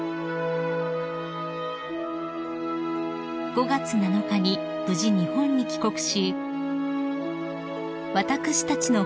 ［５月７日に無事日本に帰国し］